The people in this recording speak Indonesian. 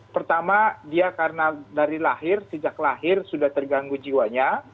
pertama dia karena dari lahir sejak lahir sudah terganggu jiwanya